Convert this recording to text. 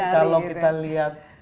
kalau kita lihat